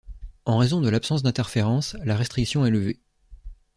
En raison de l'absence d'interférence, la restriction est levée.